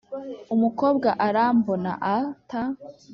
Umukobwa arambona, at